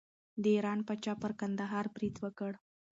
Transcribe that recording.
د ایران پاچا پر کندهار برید وکړ.